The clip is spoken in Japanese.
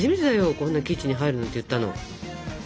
こんな「キッチンに入る」なんて言ったの。